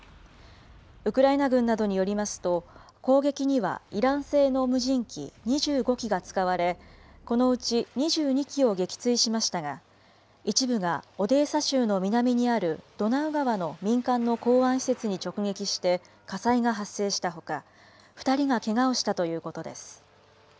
ウクライナ軍などによりますと、攻撃にはイラン製の無人機２５機が使われ、このうち２２機を撃墜しましたが、一部がオデーサ州の南にあるドナウ川の民間の港湾施設に直撃して、火災が発生したほか、２人がけがをしたということです。